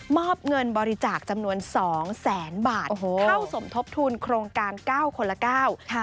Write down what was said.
มอบเงินบริจาคจำนวน๒แสนบาทเข้าสมทบทุนโครงการ๙คนละ๙